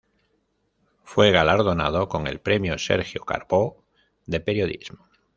Fue galardonado con el Premio Sergio Carbó de periodismo.